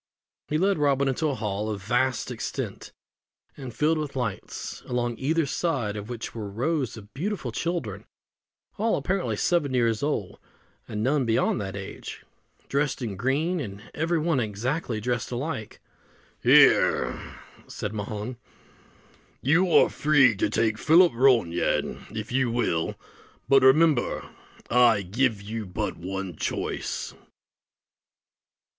He led Robin into a hall of vast extent, and filled with lights; along either side of which were rows of beautiful children, all apparently seven years old, and none beyond that age, dressed in green, and every one exactly dressed alike. "Here," said Mahon, "you are free to take Philip Ronayne, if you will; but, remember, I give but one choice."